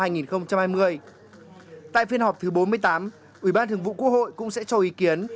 tại phiên họp thứ bốn mươi tám ủy ban thường vụ quốc hội cũng sẽ cho ý kiến